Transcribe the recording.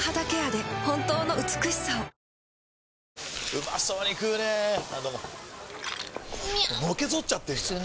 うまそうに食うねぇあどうもみゃう！！